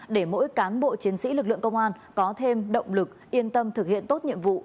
để mỗi cán bộ chiến sĩ lực lượng công an có thêm động lực yên tâm thực hiện tốt nhiệm vụ